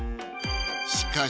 しかし